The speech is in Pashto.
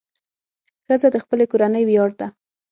ښځه د خپلې کورنۍ ویاړ ده.